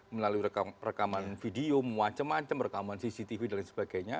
melalui rekaman video macam macam rekaman cctv dan lain sebagainya